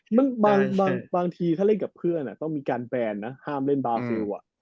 มันบางทีถ้าเล่นกับเพื่อนต้องมีการแบนนะห้ามเล่นบาซิล